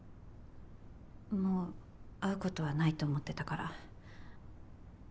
もう会うことはないと思ってたから。